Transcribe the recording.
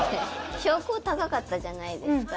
標高高かったじゃないですか。